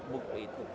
bukan untuk itu